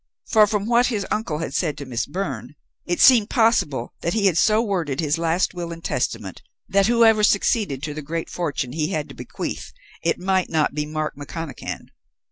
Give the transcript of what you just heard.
For, from what his uncle had said to Miss Byrne, it seemed possible that he had so worded his last will and testament, that whoever succeeded to the great fortune he had to bequeath, it might not be Mark McConachan.